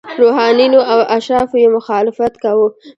روحانینو او اشرافو یې مخالفت کاوه.